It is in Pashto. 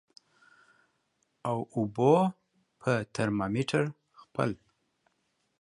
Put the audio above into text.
او اوبو په ترمامیټر خپل